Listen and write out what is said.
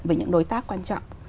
với những đối tác quan trọng